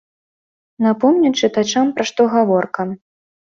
Напомню чытачам, пра што гаворка.